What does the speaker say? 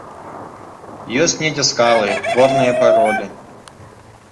Ёсць недзе скалы, горныя пароды.